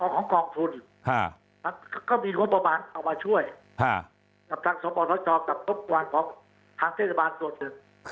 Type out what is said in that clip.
กับทางสมบัติธรรมชอบกับกรบกวาลของทางเทศบาลส่วนหนึ่ง